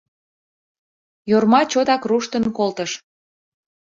— Йорма чотак руштын колтыш.